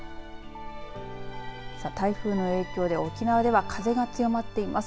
さあ、台風の影響で沖縄では風が強まっています。